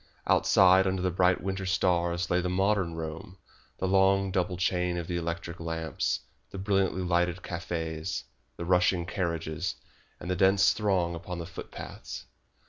Outside under the bright winter stars lay the modern Rome, the long, double chain of the electric lamps, the brilliantly lighted cafes, the rushing carriages, and the dense throng upon the footpaths.